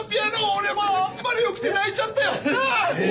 俺あんまりよくて泣いちゃったよ。なあ？